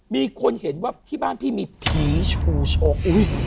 มีคนเห็นว่าที่บ้านพี่มีผีชูชก